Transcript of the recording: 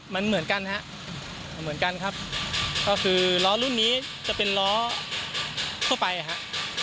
มันเหมือนกันครับก็คือล้อรุ่นนี้จะเป็นล้อทั่วไปครับ